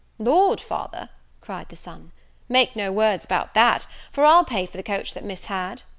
"Lord, father," cried the son, "make no words about that; for I'll pay for the coach that Miss had."